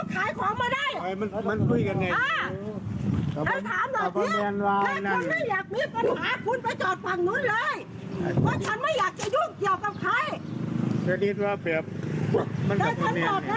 แต่ฉันบอกแล้วคุณเจ้าชิดมาตั้งหลักแบบนี้คุณไม่ได้